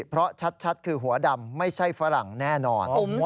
เพราะชัดคือหัวดำไม่ใช่ฝรั่งแน่นอน